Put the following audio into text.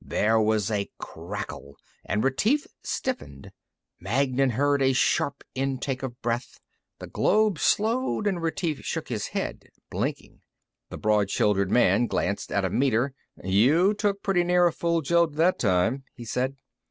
There was a crackle and Retief stiffened. Magnan heard a sharp intake of breath. The globe slowed, and Retief shook his head, blinking. The broad shouldered man glanced at a meter. "You took pretty near a full jolt, that time," he said.